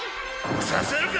させるか！